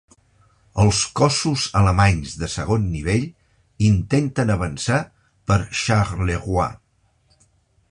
Els cossos alemanys de segon nivell intenten avançar per Charleroi.